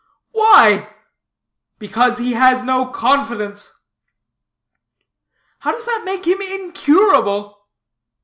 "Why?" "Because he has no confidence." "How does that make him incurable?"